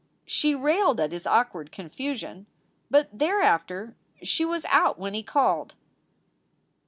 She railed at his awkward confusion, but thereafter she was out when he called.